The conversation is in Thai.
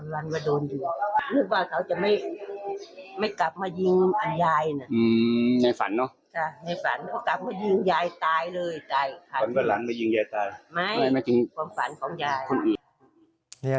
ว่าไม่กลับมายายใจฝันแล้วไม่จริงกว่าฝันของยาย